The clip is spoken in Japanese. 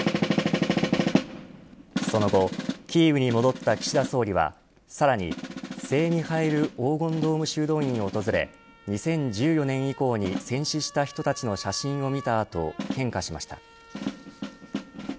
その後キーウに戻った岸田総理はさらに聖ミハイル黄金ドーム修道院を訪れ２０１４年以降に戦死した人たちの写真を見た後献花しました。